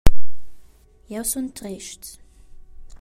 Jeu sun trests.